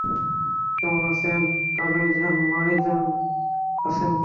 কেমন আছেন তালুই জান, মাঐ জান আছেন কেমন?